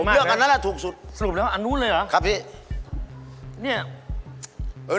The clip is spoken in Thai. เลือกอันนั้นแหละถูกสุดสรุปแล้วอันนู้นเลยเหรอครับพี่เนี่ย